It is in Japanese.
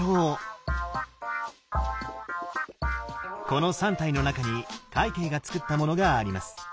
この３体の中に快慶がつくったものがあります。